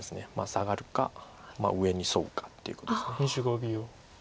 サガるか上にソウかっていうことです。